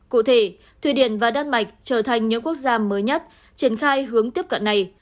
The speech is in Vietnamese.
cụ thể thụy điển và đan mạch trở thành những quốc gia mới nhất triển khai hướng tiếp cận này